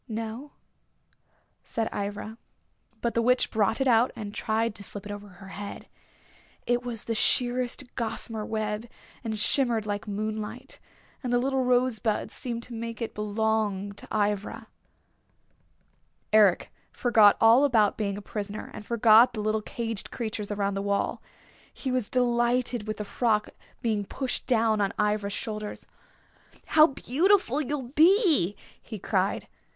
"No," said Ivra. But the Witch brought it out and tried to slip it over her head. It was sheerest gossamer web, and shimmered like moonlight. And the little rosebuds seemed to make it belong to Ivra. Eric forgot all about being a prisoner, and forgot the little caged creatures around the wall. He was delighted with the frock being pushed down on Ivra's shoulders. "How beautiful you'll be!" he cried.